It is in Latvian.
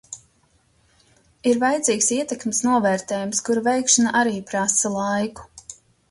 Ir vajadzīgs ietekmes novērtējums, kura veikšana arī prasa laiku.